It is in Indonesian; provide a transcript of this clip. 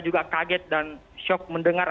juga kaget dan shock mendengar